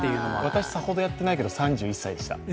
私さほどやってないけど、３１歳でした。